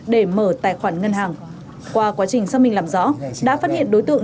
để mở tài khoản ngân hàng qua quá trình xác minh làm rõ đã phát hiện đối tượng